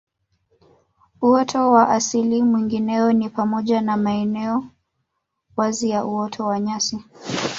Uoto wa asili mwingineo ni pamoja na maeneo wazi ya uoto wa nyasi